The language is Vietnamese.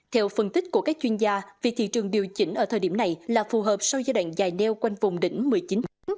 theo phân tích của các chuyên gia việc thị trường điều chỉnh ở thời điểm này là phù hợp sau giai đoạn dài neo quanh vùng đỉnh một mươi chín tháng